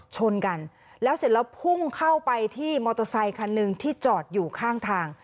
ชนกันแล้วเสร็จแล้วพุ่งเข้าไปที่มอเตอร์ไซคันหนึ่งที่จอดอยู่ข้างทาง